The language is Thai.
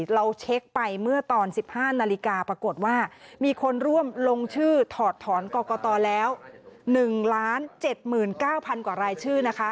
เราเช็คไปเมื่อตอน๑๕นาฬิกาปรากฏว่ามีคนร่วมลงชื่อถอดถอนกรกตแล้ว๑๗๙๐๐กว่ารายชื่อนะคะ